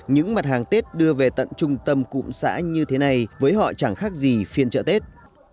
những mặt hàng tết đưa về tận trung tâm cụm xã như thế này với họ chẳng khác gì phiên chợ tết